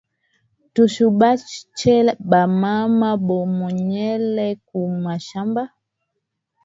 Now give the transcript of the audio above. Tushi bache ba mama bo benyewe ku mashamba